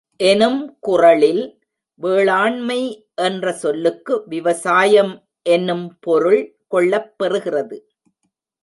எனும் குறளில் வேளாண்மை என்ற சொல்லுக்கு விவசாயம் எனும் பொருள் கொள்ளப்பெறுகிறது.